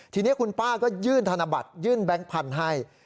ทีนี้คุณป้าก็ยื่นธนบัตรยื่นแบงค์พันธุ์ให้